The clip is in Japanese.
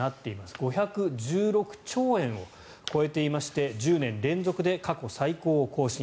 ５１６兆円を超えていまして１０年連続で過去最高を更新。